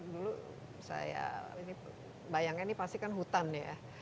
dulu saya ini bayangkan ini pasti kan hutan ya